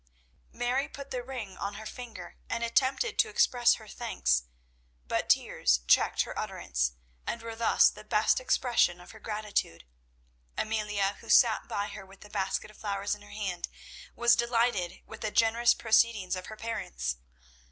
Mary put the ring on her finger and attempted to express her thanks, but tears checked her utterance, and were thus the best expression of her gratitude. Amelia, who sat by her with the basket of flowers in her hand, was delighted with the generous proceedings of her parents.